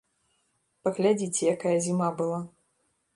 Паглядзіце, якая зіма была.